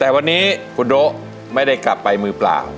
แต่วันนี้คุณโด๊ะไม่ได้กลับไปมือเปล่า